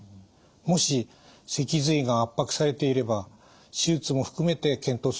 もし脊髄が圧迫されていれば手術も含めて検討する必要があります。